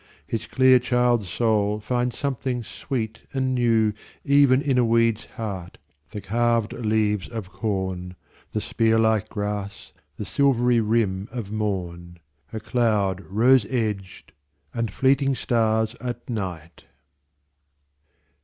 His clear child's soul finds something sweet and newEven in a weed's heart, the carved leaves of corn, The spear like grass, the silvery rim of morn,A cloud rose edged, and fleeting stars at night!